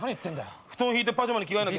布団敷いてパジャマに着替えなきゃ。